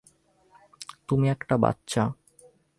তুমি একটা বাচ্চা।